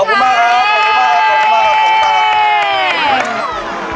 ขอบคุณมากครับ